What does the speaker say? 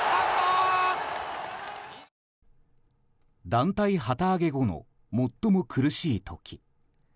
団体旗揚げ後の最も苦しい時。